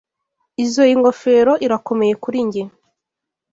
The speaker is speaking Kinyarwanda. Izoi ngofero irakomeye kuri njye.